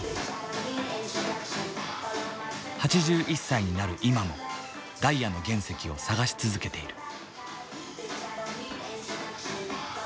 ８１歳になる今もダイヤの原石を探し続けている。